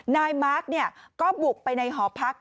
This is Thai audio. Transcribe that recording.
นายมาร์คก็บุกไปในหอพัก